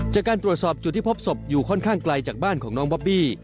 จากการตรวจสอบจุดที่พบศพอยู่ค่อนข้างไกลจากบ้านของน้องบอบบี้